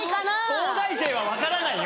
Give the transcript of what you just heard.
東大生は分からないよ。